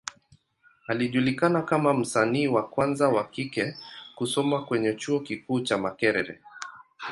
Alijulikana kama msanii wa kwanza wa kike kusoma kwenye Chuo kikuu cha Makerere.